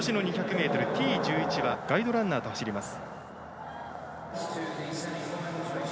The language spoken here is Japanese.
ｍＴ１１はガイドランナーと走ります。